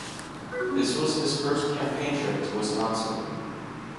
This was his first campaign trip to Wisconsin.